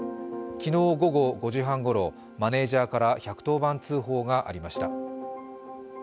昨日午後５時半ごろ、マネージャーから１１０番通報がありました。